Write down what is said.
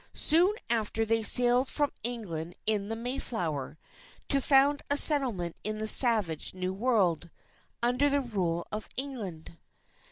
Soon after, they sailed from England in the Mayflower, to found a settlement in the savage New World, under the rule of England.